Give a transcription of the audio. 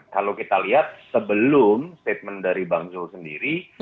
kalau kita lihat sebelum statement dari bang zul sendiri